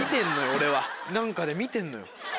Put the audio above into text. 俺は何かで見てんのよ。